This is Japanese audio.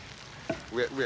上上。